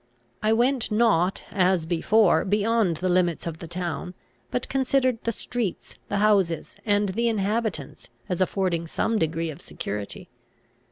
I went not, as before, beyond the limits of the town, but considered the streets, the houses, and the inhabitants, as affording some degree of security.